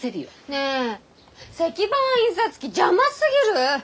ねえ石版印刷機邪魔すぎる！